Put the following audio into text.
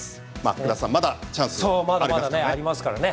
福田さん、まだチャンスもありますね。